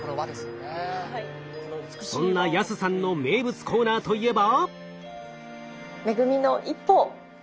そんな安さんの名物コーナーといえば？